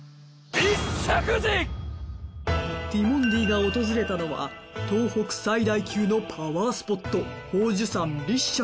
ティモンディが訪れたのは東北最大級のパワースポット